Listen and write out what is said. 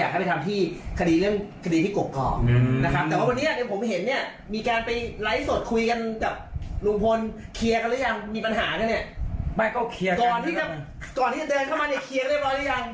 กอนที่เดินเข้ามาคลีกได้พออยุ่ยัง